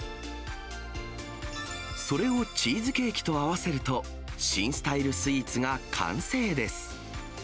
それをチーズケーキと合わせると、新スタイルスイーツが完成です。